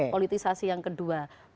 politikasi yang kedua